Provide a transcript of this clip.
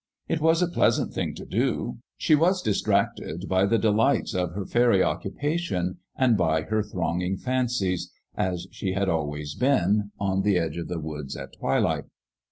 It was a pleasant thing to do ; she was distracted by the delights of her fairy occupation and by her thronging fancies, as she had always been, on the edge of the woods at twilight.